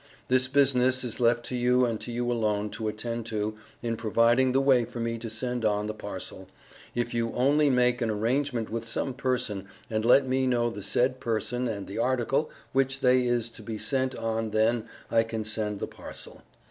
this business is left to you and to you alone to attend to in providing the way for me to send on the parcel, if you only make an arrangement with some person and let me know the said person and the article which they is to be sent on then I can send the parcel.